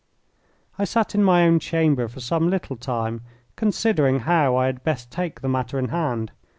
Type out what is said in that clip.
I sat in my own chamber for some little time considering how I had best take the matter in hand.